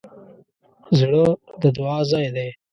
زړه د دعا ځای دی.